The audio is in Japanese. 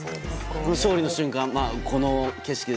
勝利の瞬間、この景色